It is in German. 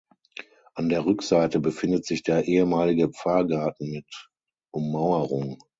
An der Rückseite befindet sich der ehemalige Pfarrgarten mit Ummauerung.